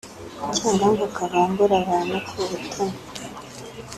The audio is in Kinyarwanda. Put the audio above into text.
cyangwa ngo kavangure abantu ku ubutoni